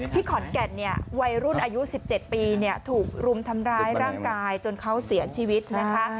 ขอนแก่นเนี่ยวัยรุ่นอายุ๑๗ปีถูกรุมทำร้ายร่างกายจนเขาเสียชีวิตนะคะ